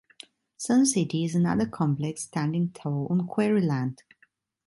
Suncity is another complex standing tall on quarry land.